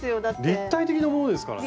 立体的なものですからね。